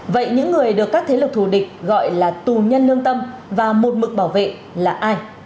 vậy những người được các thế lực thù địch gọi là tù nhân lương tâm và một mực bảo vệ là ai